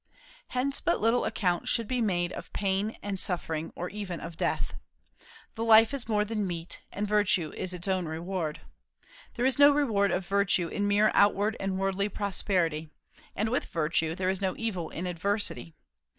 Hence but little account should be made of pain and suffering, or even of death. The life is more than meat, and virtue is its own reward. There is no reward of virtue in mere outward and worldly prosperity; and, with virtue, there is no evil in adversity.